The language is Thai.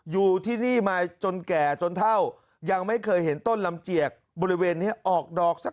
ก็ต้นนี้ก็เห็นเลยค่ะเคยออกดอกไหมอะเคยเห็นไหมครับไม่เคยค่ะ